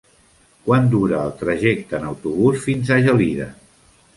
Quant dura el trajecte en autobús fins a Gelida?